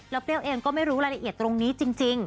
เปรี้ยวเองก็ไม่รู้รายละเอียดตรงนี้จริง